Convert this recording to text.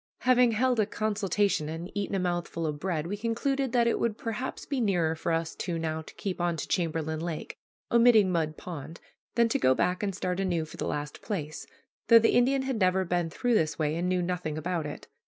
Having held a consultation and eaten a mouthful of bread, we concluded that it would perhaps be nearer for us two now to keep on to Chamberlain Lake, omitting Mud Pond, than to go back and start anew for the last place, though the Indian had never been through this way and knew nothing about it.